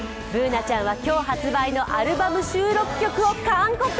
Ｂｏｏｎａちゃんは今日発売のアルバム収録曲を完コピ。